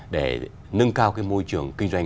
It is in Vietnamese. để nâng cao cái môi trường kinh doanh